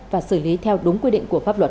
và xử lý theo đúng quy định của pháp luật